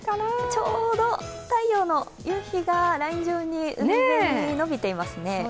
ちょうど太陽の夕日がライン上、海沿いに伸びていますね。